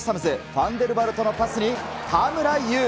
ファンデルバルトのパスに田村優。